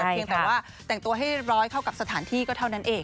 เพียงแต่ว่าแต่งตัวให้ร้อยเข้ากับสถานที่ก็เท่านั้นเอง